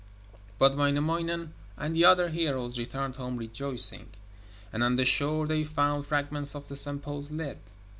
But Wainamoinen and the other heroes returned home rejoicing, and on the shore they found fragments of the Sampo's lid.